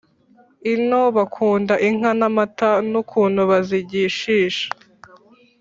ino bakunda inka, n’amata n’ukuntu bazigishisha,